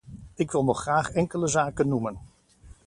Ik wil nog graag enkele zaken noemen.